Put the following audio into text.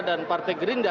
dan partai gerindra